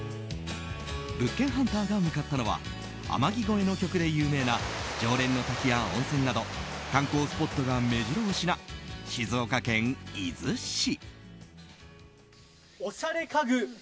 物件ハンターが向かったのは「天城越え」の曲で有名な浄蓮の滝や温泉など観光スポットが目白押しな静岡県伊豆市。